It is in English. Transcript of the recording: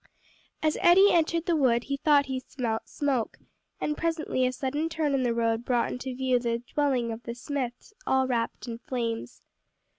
As Eddie entered the wood, he thought he smelt smoke, and presently a sudden turn in the road brought into view the dwelling of the Smiths all wrapped in flames.